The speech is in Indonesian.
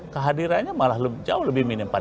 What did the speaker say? kehadirannya malah jauh lebih minim pada g dua puluh